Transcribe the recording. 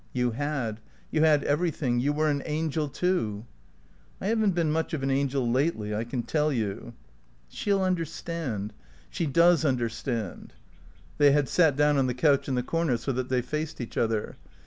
"You had. You had everything. You were an angel, too." "I haven't been much of an angel lately, I can tell you." "She'll understand. She does understand." They had sat down on the couch in the corner so that they faced each other.